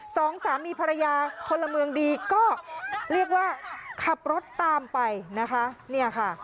สองสามีภรรยาพลเมืองดีก็เรียกว่าขับรถตามไปนะคะเนี่ยค่ะ